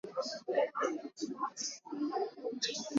wenyewe au wanaamini kuwa wanapaswa kusikiliza majibu